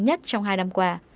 nhất trong hai năm qua